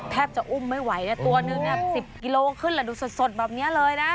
แทบจะอุ้มไม่ไหวนะตัวนึง๑๐กิโลขึ้นแล้วดูสดแบบนี้เลยนะ